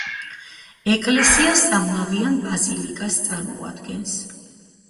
ეკლესია სამნავიან ბაზილიკას წარმოადგენს.